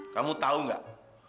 kamu tahu nggak